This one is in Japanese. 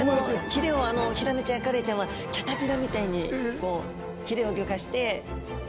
ヒレをヒラメちゃんやカレイちゃんはキャタピラーみたいにヒレを動かして。